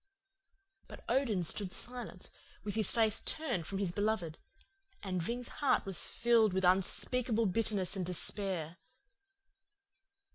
"But Odin stood silent, with his face turned from his beloved, and Ving's heart was filled with unspeakable bitterness and despair.